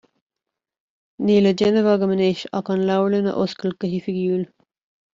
Níl le déanamh agam anois ach an leabharlann a oscailt go hoifigiúil.